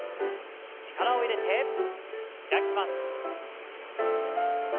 力を入れて開きます。